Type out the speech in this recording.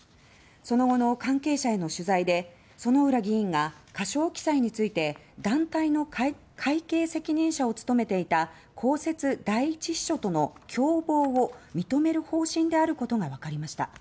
その後の関係者への取材で薗浦議員が過少記載について団体の会計責任者を務めていた公設第１秘書との共謀を認める方針であることがわかりました。